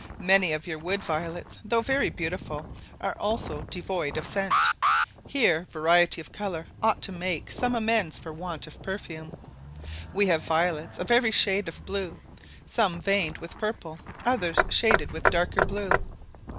Many of your wood violets, though very beautiful, are also devoid of scent; here variety of colour ought to make some amends for want of perfume. We have violets of every shade of blue, some veined with purple, others shaded with darker blue.